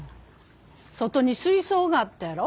外に水槽があったやろ？